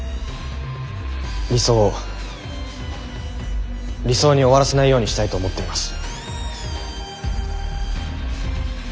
理想を理想に終わらせないようにしたいと思っています。